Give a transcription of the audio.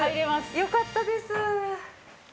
よかったです。